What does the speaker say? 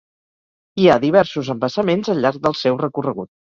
Hi ha diversos embassaments al llarg del seu recorregut.